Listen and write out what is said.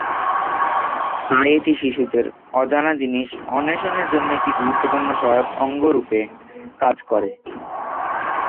তাই এটি শিশুদের অজানা জিনিস অন্বেষণের জন্য একটি গুরুত্বপূর্ণ সহায়ক অঙ্গ রূপে কাজ করে।